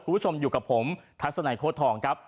คุณผู้ชมอยู่กับผมทัศนัยโค้ดทองครับ